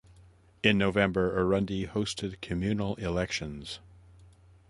In November Urundi hosted communal elections.